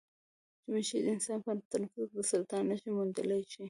مچۍ د انسان په تنفس کې د سرطان نښې موندلی شي.